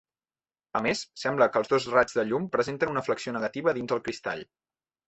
A més, sembla que els dos raigs de llum presenten una flexió negativa dins el cristall.